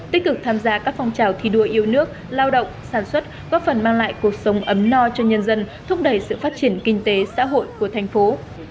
tích cực tham gia các phong trào thi đua yêu nước lao động sản xuất góp phần mang lại cuộc sống ấm no cho nhân dân thúc đẩy sự phát triển kinh tế xã hội của thành phố